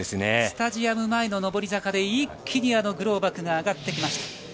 スタジアム前の上り坂で一気にグローバクが上がってきました。